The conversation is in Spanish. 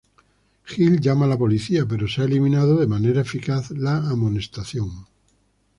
Hill llama a la policía, pero se ha eliminado de manera eficaz la amonestación.